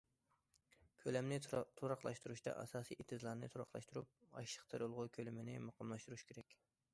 كۆلەمنى تۇراقلاشتۇرۇشتا، ئاساسىي ئېتىزلارنى تۇراقلاشتۇرۇپ، ئاشلىق تېرىلغۇ كۆلىمىنى مۇقىملاشتۇرۇش كېرەك.